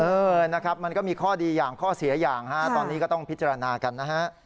เออนะครับมันก็มีข้อดีอย่างข้อเสียอย่างฮะตอนนี้ก็ต้องพิจารณากันนะฮะ